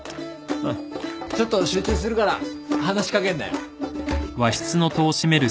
ちょっと集中するから話し掛けんなよ。